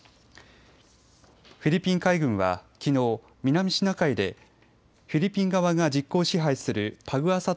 フィリピン海軍はきのう南シナ海でフィリピン側が実効支配するパグアサ